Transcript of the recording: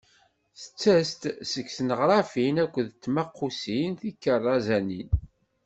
Tettas-d seg tneɣrafin akked tmaqqusin tikerrazanin.